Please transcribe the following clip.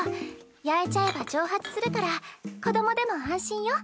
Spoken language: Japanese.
焼いちゃえば蒸発するから子どもでも安心よ。